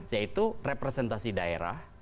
yaitu representasi daerah